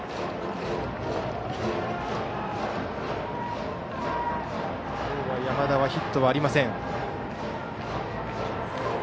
今日は山田はヒットがありません。